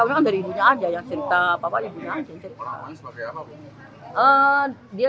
saya tahu dari ibunya saja yang cerita bapak ibunya saja yang cerita